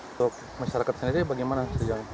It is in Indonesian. untuk masyarakat sendiri bagaimana sejauh ini